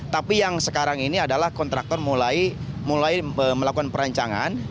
tapi yang sekarang ini adalah kontraktor mulai melakukan perancangan